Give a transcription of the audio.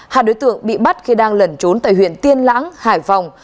hai đối tượng bị bắt khi đang lẩn trốn tại huyện tiên lãng hải phòng